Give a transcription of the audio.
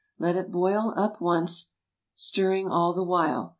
Let it boil up once, stirring all the while.